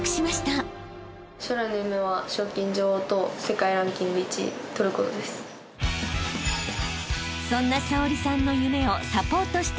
［そんな早織さんの夢をサポートしているのが］